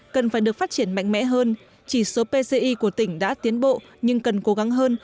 cần phải được phát triển mạnh mẽ hơn chỉ số pci của tỉnh đã tiến bộ nhưng cần cố gắng hơn